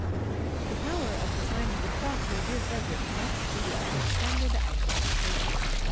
THE power of the Sign of the Cross, my dear Frederic, must be as extended as that of Satan.